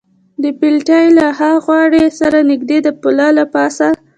د پټلۍ له ها غاړې سره نږدې د پله له پاسه.